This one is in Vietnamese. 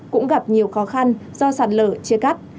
cũng gặp nhiều khó khăn do sạt lở chia cắt